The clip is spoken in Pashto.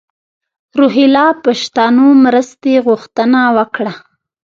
روهیله پښتنو مرستې غوښتنه وکړه.